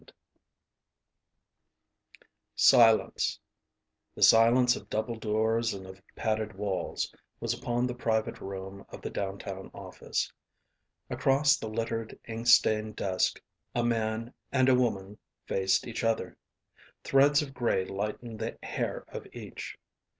_" CHAPTER I PRELUDE Silence, the silence of double doors and of padded walls was upon the private room of the down town office. Across the littered, ink stained desk a man and a woman faced each other. Threads of gray lightened the hair of each.